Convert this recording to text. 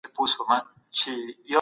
دا زده کړه د کار فرصتونه زياتوي.